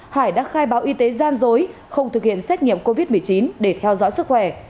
hải đã khai báo y tế gian dối không thực hiện xét nghiệm covid một mươi chín để theo dõi sức khỏe